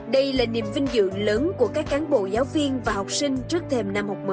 đây là niềm vinh dự lớn của các cán bộ giáo viên và học sinh trước thềm năm học mới